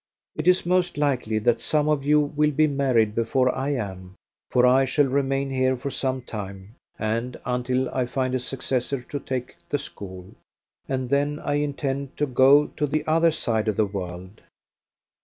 It is most likely that some of you will be married before I am, for I shall remain here for some time, and until I find a successor to take the school, and then I intend to go to the other side of the world.